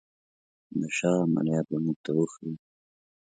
د شاه عملیات به موږ ته وښيي.